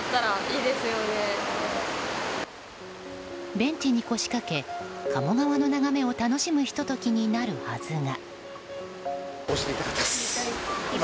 ベンチに腰掛け鴨川の眺めを楽しむひと時になるはずが。